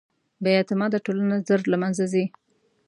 بېاعتماده ټولنه ژر له منځه ځي.